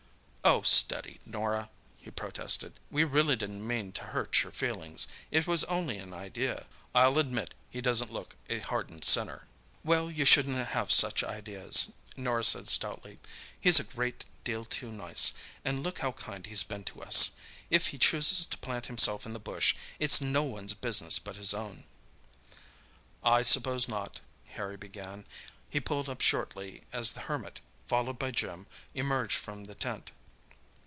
"Oh steady, Norah!" he protested—"we really didn't mean to hurt your feelings. It was only an idea. I'll admit be doesn't look a hardened sinner." "Well, you shouldn't have such ideas," Norah said stoutly; "he's a great deal too nice, and look how kind he's been to us! If he chooses to plant himself in the bush, it's no one's business but his own." "I suppose not," Harry began. He pulled up shortly as the Hermit, followed by Jim, emerged from the tent.